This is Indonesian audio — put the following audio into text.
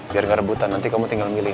biar gak rebutan nanti kamu tinggal milih